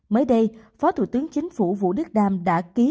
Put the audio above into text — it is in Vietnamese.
mới đây phó thủ tướng chính phủ vũ đức đam đã ký